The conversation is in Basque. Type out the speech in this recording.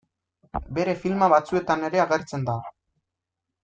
Bere filma batzuetan ere agertzen da.